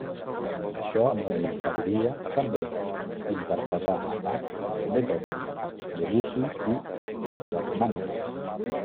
Això no li impediria també interpretar a Bach, Beethoven, Debussy i Rakhmàninov.